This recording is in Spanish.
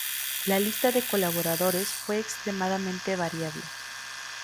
La lista de colaboradores fue extremadamente variable.